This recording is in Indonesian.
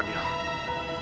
kamu bisa lihat fadil